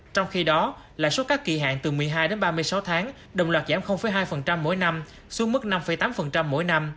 trong khi đó lãi suất các kỳ hạn từ một mươi hai đến ba mươi sáu tháng đồng loạt giảm hai mỗi năm xuống mức năm tám mỗi năm